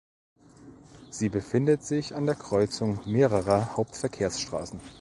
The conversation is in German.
Sie befindet sich an der Kreuzung mehrerer Hauptverkehrsstraßen.